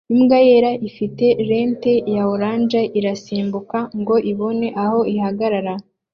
Imbwa yera ifite lente ya orange irasimbuka ngo ibone aho ihagarara